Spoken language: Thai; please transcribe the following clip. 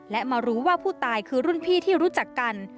และมารู้ว่าผู้ตายคือรุ่นพี่ที่รู้จักกัน